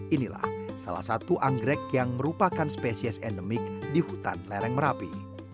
inilah salah satu anggrek yang merupakan spesies endemik di hutan lereng merapi